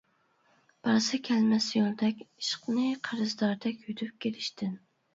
بارسا كەلمەس يولدەك ئىشقنى قەرزداردەك يۈدۈپ كېلىشتىن.